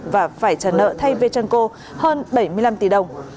và phải trả nợ thay vjanco hơn bảy mươi năm tỷ đồng